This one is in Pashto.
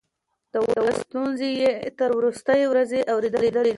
د ولس ستونزې يې تر وروستۍ ورځې اورېدې.